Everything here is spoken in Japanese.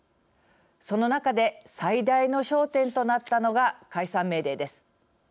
その中で最大の焦点となったのが解散命令です。